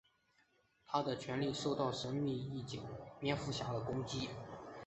他的权力受到神秘义警蝙蝠侠的攻击。